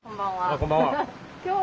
こんばんは。